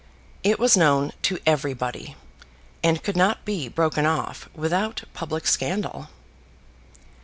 It was known to everybody, and could not be broken off without public scandal.